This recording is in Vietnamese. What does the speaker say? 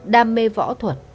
đam mê võ thuật